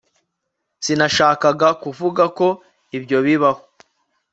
sinashakaga kuvuga ko ibyo bibaho